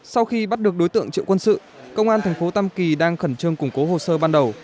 sau khi bắt được đối tượng triệu quân sự công an thành phố tam kỳ đang khẩn trương củng cố hồ sơ ban đầu